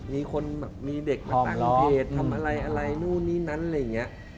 มีคนแบบมีเด็กมาต่างเพจทำอะไรอะไรนู่นนี่นั่นอะไรอย่างนี้